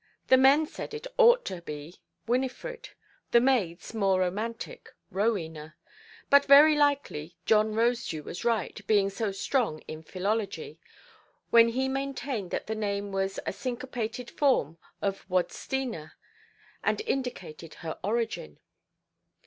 The men said it ought to be "Winifred"; the maids, more romantic, "Rowena"; but very likely John Rosedew was right, being so strong in philology, when he maintained that the name was a syncopated form of "Wadstena", and indicated her origin.